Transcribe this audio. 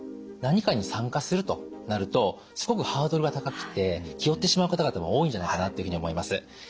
何かに参加するとなるとすごくハードルが高くて気負ってしまう方々も多いんじゃないかなというふうに思います。